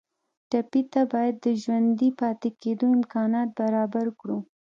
ټپي ته باید د ژوندي پاتې کېدو امکانات برابر کړو.